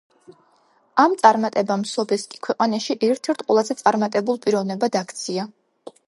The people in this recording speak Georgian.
ამ წარმატებამ სობესკი ქვეყანაში ერთ-ერთ ყველაზე წარმატებულ პიროვნებად აქცია.